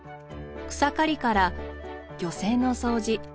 草刈りから漁船の掃除